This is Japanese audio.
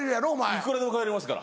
いくらでも変えれますから。